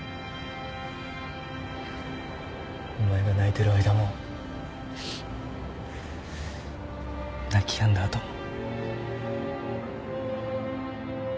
お前が泣いてる間も泣きやんだ後も。